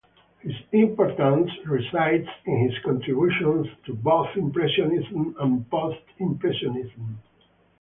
His importance resides in his contributions to both Impressionism and Post-Impressionism.